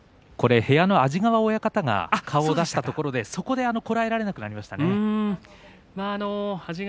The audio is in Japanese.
部屋の安治川親方が顔を出したところでこらえられなくなりました。